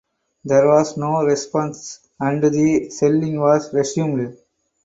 There was no response and the shelling was resumed.